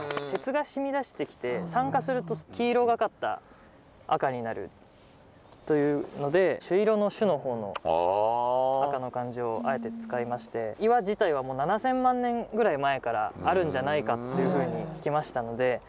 鉄が染み出してきて酸化すると黄色がかった赤になるというので朱色の「朱」の方の「あか」の漢字をあえて使いまして岩自体は七千万年ぐらい前からあるんじゃないかっていうふうに聞きましたので。